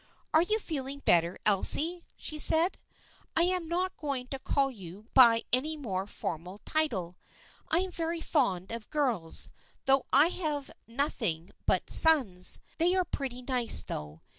" Are you feeling better, Elsie? " she said. " I am not going to call you by any more formal title. I am very fond of girls, though I have nothing but sons. They are pretty nice though.